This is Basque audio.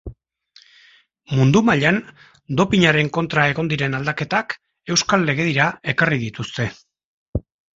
Mundu mailan dopinaren kontra egon diren aldaketak euskal legedira ekarri dituzte.